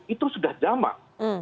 itu sudah jamak